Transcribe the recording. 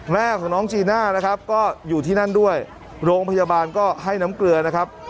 แม่ของน้องจีน่านะครับก็อยู่ที่นั่นด้วยโรงพยาบาลก็ให้น้ำเกลือนะครับ